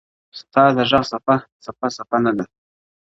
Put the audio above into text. ستا د ږغ څــپــه ، څـپه ،څپــه نـه ده.